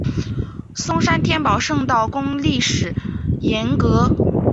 松山天宝圣道宫历史沿革